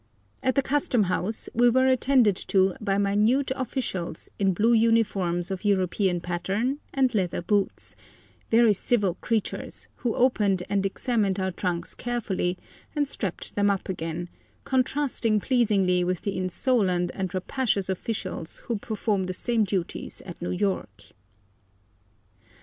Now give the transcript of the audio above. At the custom house we were attended to by minute officials in blue uniforms of European pattern and leather boots; very civil creatures, who opened and examined our trunks carefully, and strapped them up again, contrasting pleasingly with the insolent and rapacious officials who perform the same duties at New York.